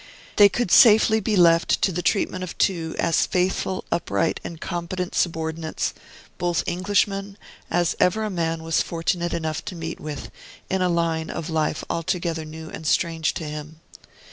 They could safely be left to the treatment of two as faithful, upright, and competent subordinates, both Englishmen, as ever a man was fortunate enough to meet with, in a line of life altogether new and strange to him.